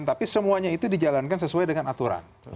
tapi semuanya itu dijalankan sesuai dengan aturan